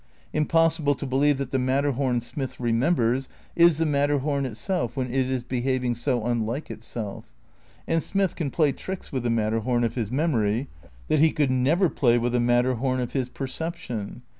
Im possible to believe that the Matterhom Smith remem bers is the Matterhom itself when it is behaving so un like itself. And Smith can play tricks with the Matter hom of his memory that he could never play with the Matterhom of his perception.